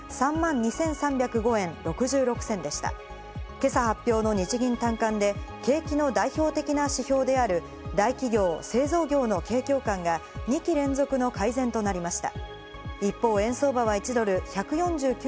今朝発表の日銀短観で、景気の代表的な指標である大企業・製造業の景況感が２期連続の改善となりました。